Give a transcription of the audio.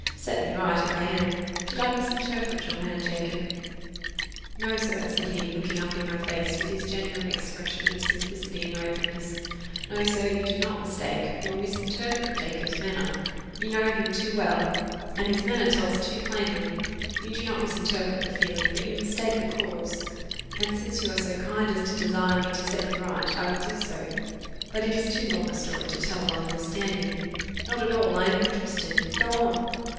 set me right, if I am did I misinterpret your manner, Jacob?" "No, sir," said he, looking up in my face, with his genuine expression of simplicity and openness; "no, sir, you do not mistake, nor misinterpret Jacob's manner; you know him too well, and his manner tells too plainly; you do not misinterpret the feeling, but you mistake the cause; and since you are so kind as to desire me to set you right, I will do so; but it is too long a story to tell while you are standing." "Not at all I am interested go on."